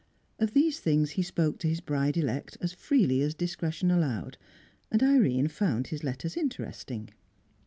Of these things he spoke to his bride elect as freely as discretion allowed; and Irene found his letters interesting.